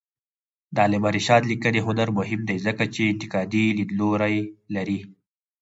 د علامه رشاد لیکنی هنر مهم دی ځکه چې انتقادي لیدلوری لري.